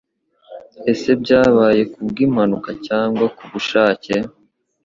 Ese byabaye ku bw'impanuka cyangwa kubushake